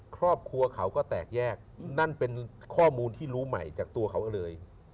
ครอบครัวเขาก็แตกแยกนั่นเป็นข้อมูลที่รู้ใหม่จากตัวเขาเลย